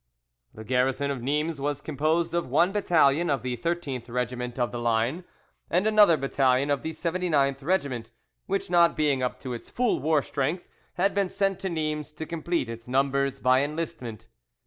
The garrison of Nimes was composed of one battalion of the 13th Regiment of the line, and another battalion of the 79th Regiment, which not being up to its full war strength had been sent to Nimes to complete its numbers by enlistment.